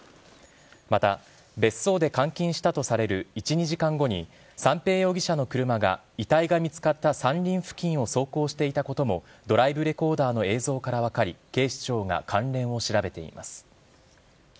また別荘で監禁したとされる１、２時間後に、三瓶容疑者の車が遺体が見つかった山林付近を走行していたことも、ドライブレコーダーの映像から分かり、警視庁が関連を調べています。